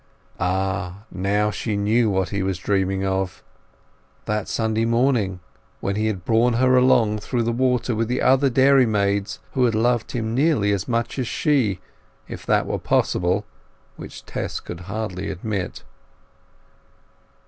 Ah! now she knew what he was dreaming of—that Sunday morning when he had borne her along through the water with the other dairymaids, who had loved him nearly as much as she, if that were possible, which Tess could hardly admit.